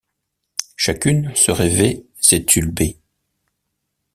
Chacune se rêvait Zétulbé.